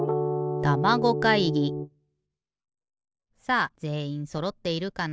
さあぜんいんそろっているかな？